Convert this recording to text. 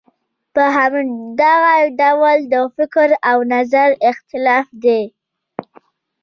په همدغه ډول د فکر او نظر اختلاف دی.